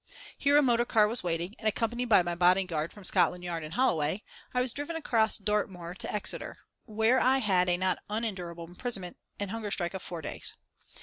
Here a motor car was waiting, and accompanied by my bodyguard from Scotland Yard and Holloway, I was driven across Dartmoor to Exeter, where I had a not unendurable imprisonment and hunger strike of four days.